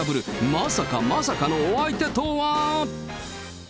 まさかまさかのお相手とは。